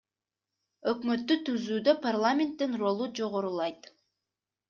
Өкмөттү түзүүдө парламенттин ролу жогорулайт.